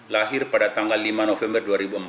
lahir pada tanggal lima november dua ribu empat